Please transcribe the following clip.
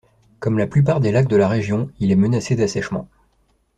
Comme la plupart des lacs de la région, il est menacé d'assèchement.